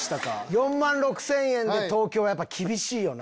４万６０００円で東京は厳しいよな。